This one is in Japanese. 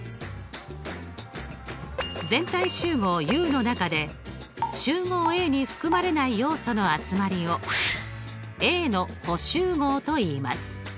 全体集合Ｕの中で集合Ａに含まれない要素の集まりをＡの補集合といいます。